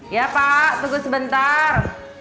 iya pak tunggu sebentar